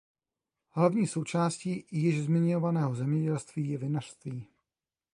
Hlavní součástí již zmiňovaného zemědělství je vinařství.